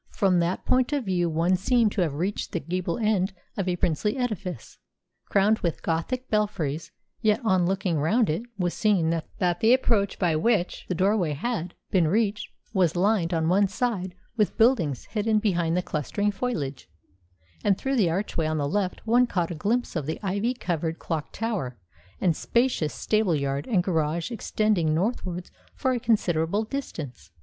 From that point of view one seemed to have reached the gable end of a princely edifice, crowned with Gothic belfries; yet on looking round it was seen that the approach by which the doorway had been reached was lined on one side with buildings hidden behind the clustering foliage; and through the archway on the left one caught a glimpse of the ivy covered clock tower and spacious stable yard and garage extending northwards for a considerable distance.